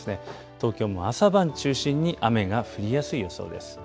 東京も朝晩中心に雨が降りやすい予想です。